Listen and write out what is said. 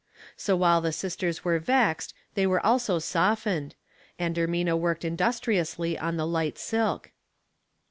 So while the sisters were vexed they were also softened, and Ermina worked industriously on the light silk.